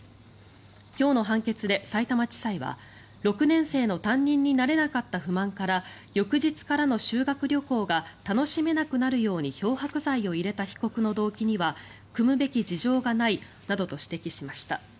今日の判決でさいたま地裁は６年生の担任になれなかった不満から翌日からの修学旅行が楽しめなくなるように漂白剤を入れた被告の動機には酌むべき事情がないなどと指摘しました。